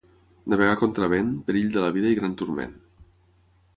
Navegar contra vent, perill de la vida i gran turment.